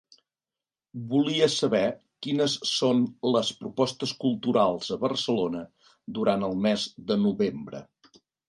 Volia saber quines son les propostes culturals a Barcelona durant el mes de novembre.